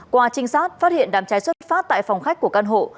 qua trinh sát phát hiện đám cháy xuất phát tại phòng khách của căn hộ